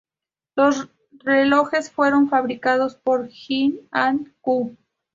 Los relojes fueron fabricados por Gent and Co.